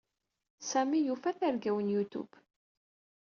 Sami yufa targa-w n YouTube.